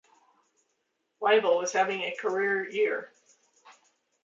Waibel was having a career year.